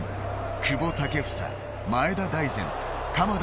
久保建英、前田大然鎌田